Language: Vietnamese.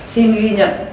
xin ghi nhận